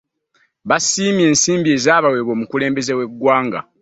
Basiimye ensimbi ezabawebwa omukulembeze we ggwanga.